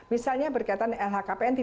misalnya berkaitan lhkpn